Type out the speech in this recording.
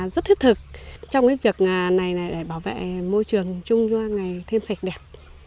rất thiết thực trong việc này để bảo vệ môi trường chung cho ngày thêm sạch đẹp